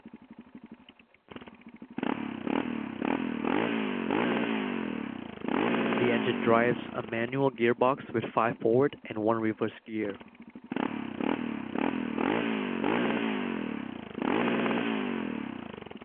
The engine drives a manual gearbox with five forward and one reverse gear.